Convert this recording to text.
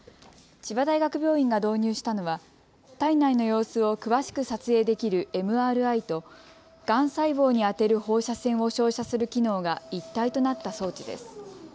千葉大学病院が導入したのは体内の様子を詳しく撮影できるＭＲＩとがん細胞に当てる放射線を照射する機能が一体となった装置です。